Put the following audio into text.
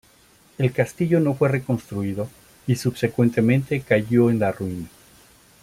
El castillo no fue reconstruido y subsecuentemente cayó en la ruina.